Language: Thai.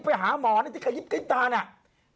เบาไปหาหมอนี้แต่จะกระยิบกระยิบตาเนี่ย